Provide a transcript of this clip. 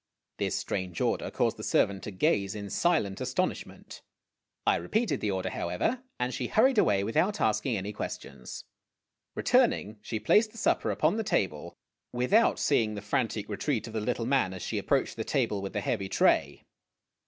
This strange order caused the servant to gaze in silent astonishment. I repeated the order, however, and she hurried away without ask ing any questions. Returning, she placed the supper upon the table, THE SATCHEL 18 without seeing the frantic retreat of the little man as she ap proached the table with the heavy tray.